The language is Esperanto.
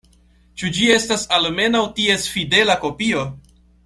Ĉu ĝi estas almenaŭ ties fidela kopio?